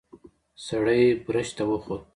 سړی برج ته وخوت.